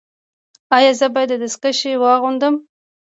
ایا زه باید دستکشې واغوندم؟